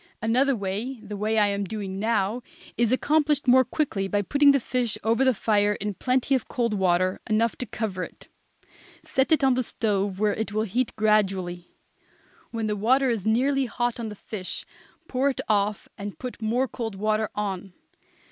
Another way the way I am doing now is accomplished more quickly by putting the fish over the fire in plenty of cold water, enough to cover it; set it on the stove where it will heat gradually. When the water is nearly hot on the fish pour it off and put more cold water on.